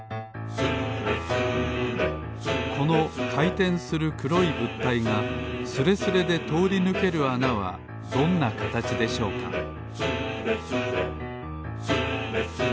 きょうはこのかいてんするくろいぶったいがスレスレでとおりぬけるあなはどんなかたちでしょうか「スレスレ」「スレスレスーレスレ」